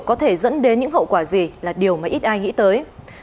có thể dẫn đến những hậu quả gì là điều mà ít ai nghĩ tới